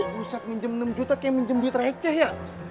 buset pinjem enam juta kayak pinjem duit receh ya